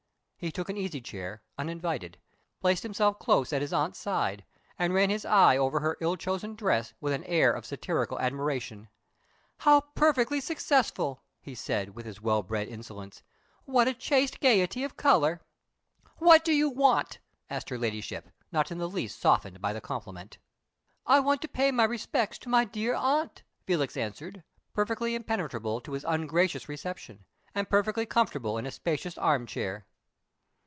He took an easychair, uninvited; placed himself close at his aunt's side, and ran his eye over her ill chosen dress with an air of satirical admiration. "How perfectly successful!" he said, with his well bred insolence. "What a chaste gayety of color!" "What do you want?" asked her Ladyship, not in the least softened by the compliment. "I want to pay my respects to my dear aunt," Felix answered, perfectly impenetrable to his ungracious reception, and perfectly comfortable in a spacious arm chair.